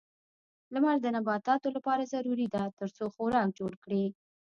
لمر د نباتاتو لپاره ضروري ده ترڅو خوراک جوړ کړي.